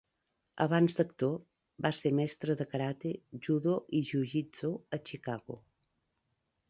Abans d'actor, va ser mestre de karate, judo i jujitsu a Chicago.